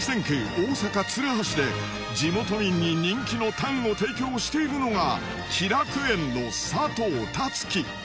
大阪・鶴橋で地元民に人気のタンを提供しているのが喜楽園の佐藤達興